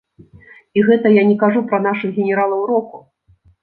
І гэта я не кажу пра нашых генералаў року!